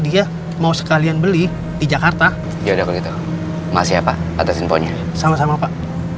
dia mau sekalian beli di jakarta ya udah begitu masih apa atas info nya sama sama pak